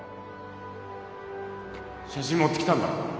写真持ってきたんだろ？